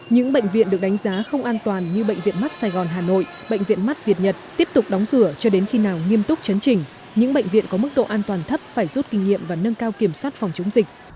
những bệnh viện được đánh giá không an toàn như bệnh viện mắt sài gòn hà nội bệnh viện mắt việt nhật tiếp tục đóng cửa cho đến khi nào nghiêm túc chấn chỉnh những bệnh viện có mức độ an toàn thấp phải rút kinh nghiệm và nâng cao kiểm soát phòng chống dịch